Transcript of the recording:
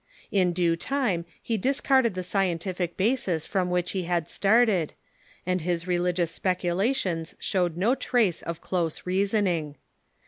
In due time he discarded the scientific basis from which he had started, and his religious speculations showed no trace of close reasoning.